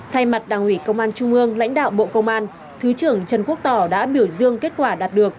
thay mặt đảng ủy công an trung ương lãnh đạo bộ công an thứ trưởng trần quốc tỏ đã biểu dương kết quả đạt được